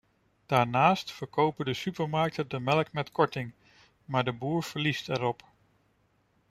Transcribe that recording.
Daarnaast verkopen de supermarkten de melk met korting, maar de boer verliest erop.